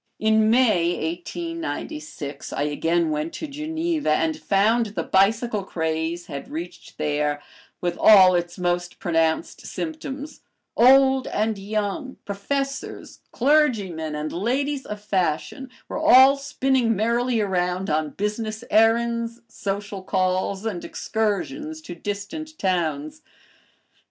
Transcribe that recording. In May, 1896, I again went to Geneva and found the bicycle craze had reached there, with all its most pronounced symptoms; old and young, professors, clergymen, and ladies of fashion were all spinning merrily around on business errands, social calls, and excursions to distant towns.